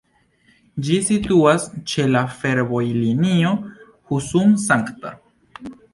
Ĝi situas ĉe la fervojlinio Husum-St.